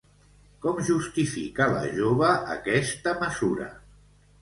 Com justifica la jove aquesta mesura?